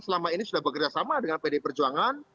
yang memang selama ini sudah bergerak sama dengan pdi perjuangan